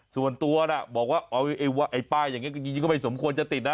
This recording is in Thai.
ส่วนตัวบอกว่าป้ายอย่างนี้ก็ไม่สมควรจะติดนะ